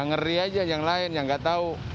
ngeri aja yang lain yang nggak tahu